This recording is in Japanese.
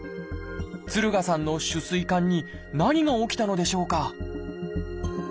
敦賀さんの主膵管に何が起きたのでしょうか？